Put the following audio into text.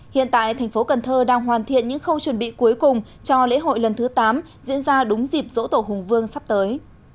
hiện tại thành phố cần thơ đang hoàn thiện những khâu chuẩn bị cuối cùng cho lễ hội lần thứ tám diễn ra đúng dịp dỗ tổ hùng vương sắp tới